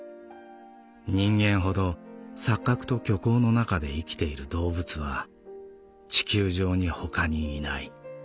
人間ほど錯覚と虚構の中で生きている動物は地球上に他にいない」。